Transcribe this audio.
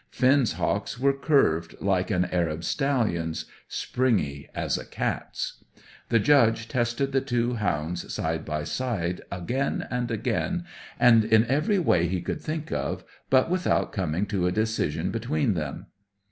Finn's hocks were curved like an Arab stallion's, springy as a cat's. The Judge tested the two hounds side by side, again and again, and in every way he could think of, but without coming to a decision between them.